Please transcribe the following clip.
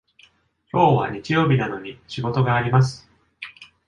きょうは日曜日なのに仕事があります。